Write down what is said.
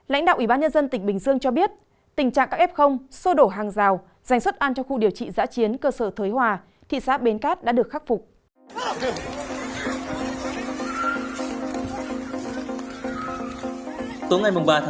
lãnh đạo ủy ban nhân dân tỉnh bình dương cho biết